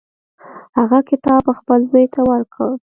هغه کتاب خپل زوی ته ورکړ.